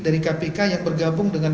dari kpk yang bergabung dengan